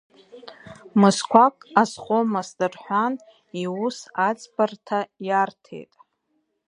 Мызқәак азхомызт рҳәан, иус аӡбарҭа иарҭеит.